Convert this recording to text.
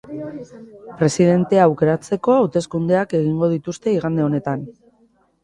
Presidentea aukeratzeko hauteskundeak egingo dituzte igande honetan.